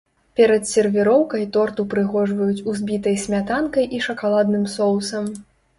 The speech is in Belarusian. Перад сервіроўкай торт упрыгожваюць узбітай смятанкай і шакаладным соусам.